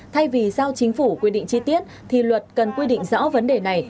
thay vì giao chính phủ quy định chi tiết thì luật cần quy định rõ vấn đề này